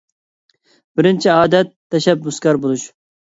بىرىنچى ئادەت، تەشەببۇسكار بولۇش.